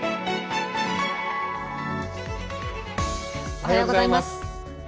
おはようございます。